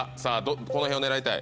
このへんを狙いたい。